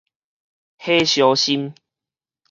火燒心